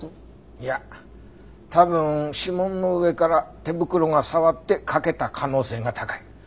いや多分指紋の上から手袋が触って欠けた可能性が高い。